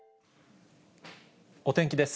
お天気です。